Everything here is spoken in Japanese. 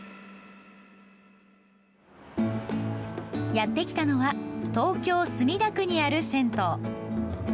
やってきたのは東京・墨田区にある銭湯。